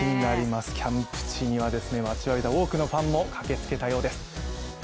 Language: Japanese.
キャンプ地には、待ちわびた多くのファンも駆けつけたようです。